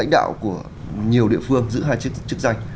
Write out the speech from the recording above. tạo của nhiều địa phương giữ hai chức danh